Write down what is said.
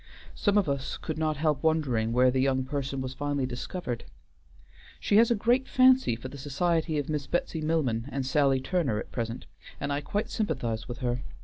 Some of us could not help wondering where the young person was finally discovered. She has a great fancy for the society of Miss Betsy Milman and Sally Turner at present, and I quite sympathize with her.